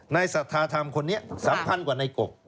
ในสัทธาธรรมคนนี้สำคัญกว่าในกบ